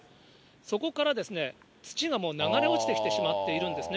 そこからですね、土がもう流れ落ちてきてしまっているんですね。